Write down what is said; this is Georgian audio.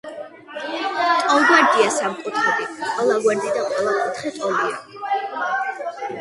ტოლგვერდა სამკუთხედი-ყველა გვერდი და ყველა კუთხე ტოლია.